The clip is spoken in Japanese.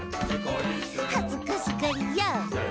「はずかしがりや！」